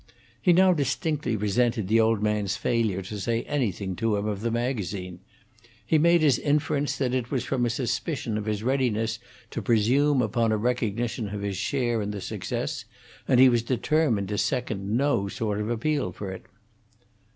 He now distinctly resented the old man's failure to say anything to him of the magazine; he made his inference that it was from a suspicion of his readiness to presume upon a recognition of his share in the success, and he was determined to second no sort of appeal for it.